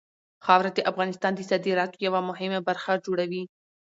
خاوره د افغانستان د صادراتو یوه مهمه برخه جوړوي.